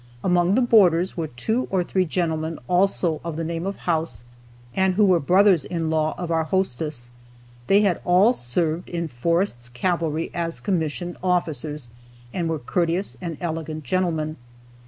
Among the boarders were two or three gentlemen also of the name of House, and who were brothers in law of our hostess. They had all served in Forrest's cavalry as commissioned officers, and were courteous and elegant gentlemen.